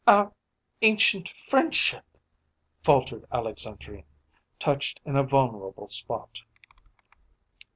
"Our ancient friendship" faltered Alexandrine, touched in a vulnerable spot.